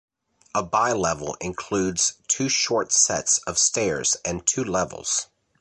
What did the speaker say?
A bi-level includes two short sets of stairs and two levels.